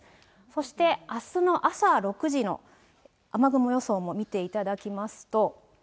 そしてあすの朝６時の雨雲予想も見ていただきますと。